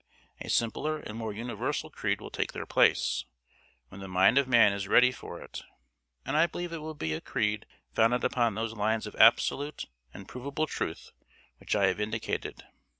A simpler and more universal creed will take their place, when the mind of man is ready for it; and I believe it will be a creed founded upon those lines of absolute and provable truth which I have indicated.